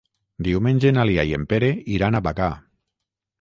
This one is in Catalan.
Diumenge na Lia i en Pere iran a Bagà.